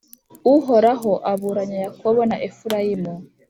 Uhoraho aburanya Yakobo na Efurayimu